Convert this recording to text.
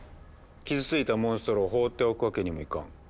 傷ついたモンストロを放っておくわけにもいかん。